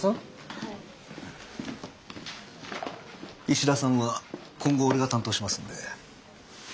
石田さんは今後俺が担当しますんで。